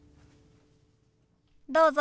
どうぞ。